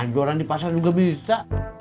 jualan di pasar juga bisa